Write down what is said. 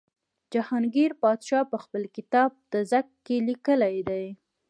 جهانګیر پادشاه په خپل کتاب تزک کې لیکلي دي.